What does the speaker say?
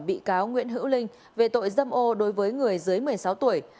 bị cáo nguyễn hữu linh về tội dâm ô đối với người dưới một mươi sáu tuổi